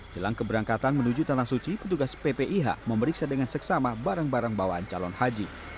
jelang keberangkatan menuju tanah suci petugas ppih memeriksa dengan seksama barang barang bawaan calon haji